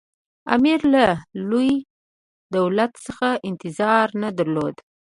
امیر له لوی دولت څخه انتظار نه درلود.